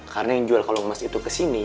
karena yang jual kalau emas itu kesini